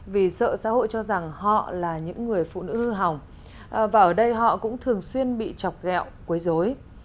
vì sợ xã hội cho rằng họ là những người phụ nữ hư hỏng và ở đây họ cũng thường xuyên bị chọc gẹo quấy dối